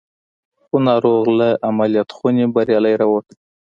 خو ناروغ له عمليات خونې بريالي را ووت.